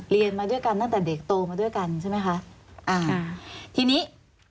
เรียนมาด้วยกันตั้งแต่เด็กโตมาด้วยกันใช่ไหมคะอ่าอ่าทีนี้